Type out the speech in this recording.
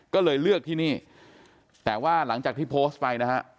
ก็เลยเลือกที่นี่แต่ว่าหลังจากที่โพสต์ไปนะฮะ